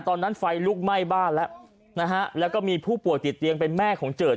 ตอนนั้นไฟลุกไหม้บ้านแล้วนะฮะแล้วก็มีผู้ป่วยติดเตียงเป็นแม่ของเจิด